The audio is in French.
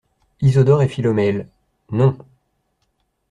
Isidore et Philomèle. — Non !